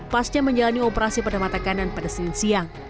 pasca menjalani operasi pada mata kanan pada senin siang